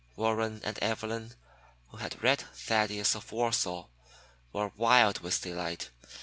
Warren and Evelyn, who had read "Thaddeus of Warsaw" were wild with delight.